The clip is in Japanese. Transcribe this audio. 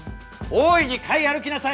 大いに買い歩きなさい。